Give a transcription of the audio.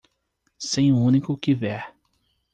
Sem um único quiver.